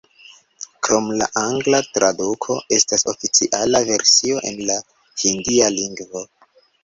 Krom la angla traduko estas oficiala versio en la hindia lingvo.